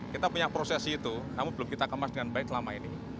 kita punya prosesi itu namun belum kita kemas dengan baik selama ini